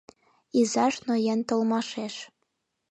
Изаж ноен толмашеш